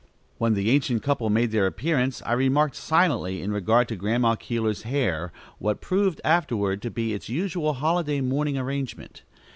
When the ancient couple made their appearance, I remarked silently, in regard to Grandma Keeler's hair, what proved afterward to be its usual holiday morning arrangement.